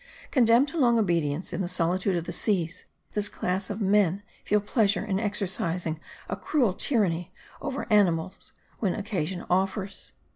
Condemned to long obedience in the solitude of the seas, this class of men feel pleasure in exercising a cruel tyranny over animals when occasion offers.